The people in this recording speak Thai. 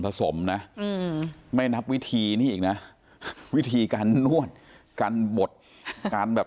สมนะอืมไม่นับวิธีนี่อีกนะวิธีการนวดการบดการแบบ